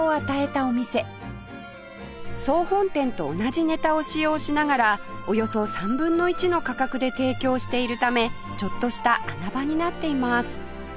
総本店と同じネタを使用しながらおよそ３分の１の価格で提供しているためちょっとした穴場になっています